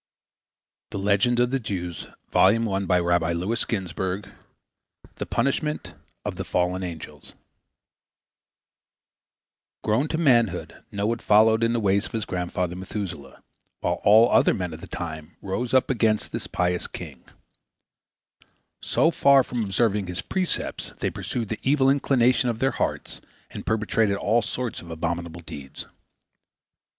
THE PUNISHMENT OF THE FALLEN ANGELS Grown to manhood, Noah followed in the ways of his grandfather Methuselah, while all other men of the time rose up against this pious king. So far from observing his precepts, they pursued the evil inclination of their hearts, and perpetrated all sorts of abominable deeds.